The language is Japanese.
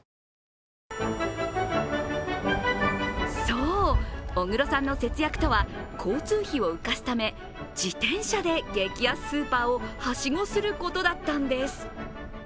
そう、小黒さんの節約とは、交通費を浮かすため自転車で激安スーパーをはしごすることだったんです。